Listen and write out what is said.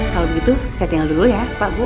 kalau begitu saya tinggal dulu ya pak bu